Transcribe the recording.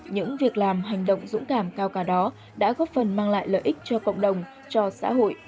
những việc làm hành động dũng cảm cao cả đó đã góp phần mang lại lợi ích cho cộng đồng cho xã hội